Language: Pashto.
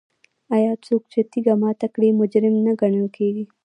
آیا څوک چې تیږه ماته کړي مجرم نه ګڼل کیږي؟